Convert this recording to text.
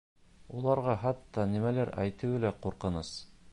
Уларға хатта нимәлер әйтеүе лә ҡурҡыныс.